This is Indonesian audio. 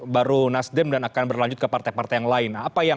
pertama saya ingin menambahkan kembang dari partai partai yang lain